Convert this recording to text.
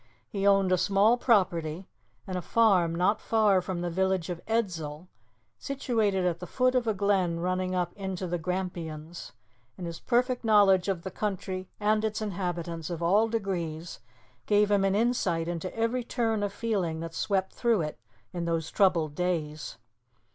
He owned a small property and a farm not far from the village of Edzell, situated at the foot of a glen running up into the Grampians, and his perfect knowledge of the country and its inhabitants of all degrees gave him an insight into every turn of feeling that swept through it in those troubled days.